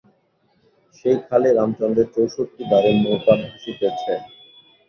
সেই খালে রামচন্দ্রের চৌষট্টি দাঁড়ের নৌকা ভাসিতেছে।